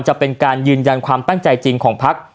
จะเป็นการยืนยันความตั้งใจจริงของพัก